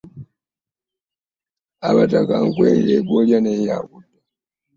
Abataka nkwenge. Gw'olya naye y'akutta.